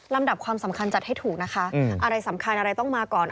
ดับความสำคัญจัดให้ถูกนะคะอะไรสำคัญอะไรต้องมาก่อน